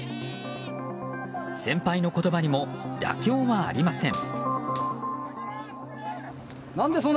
先輩の言葉にも妥協はありません。